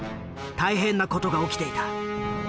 大変な事が起きていた。